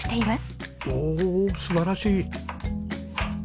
おお素晴らしい。